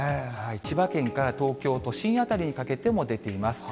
千葉県から東京都心辺りにかけても出ています。